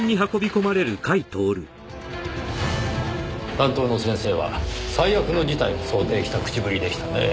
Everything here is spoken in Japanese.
担当の先生は最悪の事態を想定した口ぶりでしたねぇ。